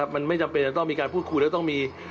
มันไม่จำเป็นจะต้องมีการพูดคุยแล้วต้องมี